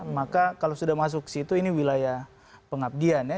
maka kalau sudah masuk ke situ ini wilayah pengabdian ya